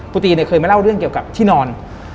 ตีเนี่ยเคยมาเล่าเรื่องเกี่ยวกับที่นอน